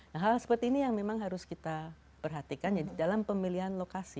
nah hal seperti ini yang memang harus kita perhatikan dalam pemilihan lokasi